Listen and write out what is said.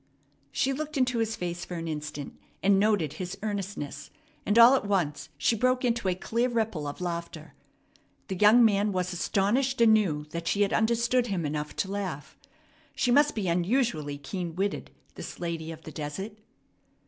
She looked into his face for an instant, and noted his earnestness; and all at once she broke into a clear ripple of laughter. The young man was astonished anew that she had understood him enough to laugh. She must be unusually keen witted, this lady of the desert.